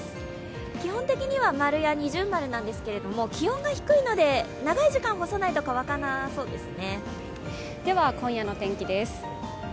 基本的には丸や二重丸なんですけど気温が低いので長い時間干さないと乾かなそうですね。